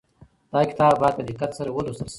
دا کتاب باید په دقت سره ولوستل شي.